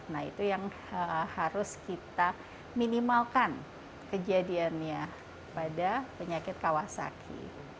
nah itu yang harus kita minimalkan kejadiannya pada penyakit kawasaki